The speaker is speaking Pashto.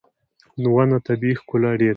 • ونه طبیعي ښکلا ډېروي.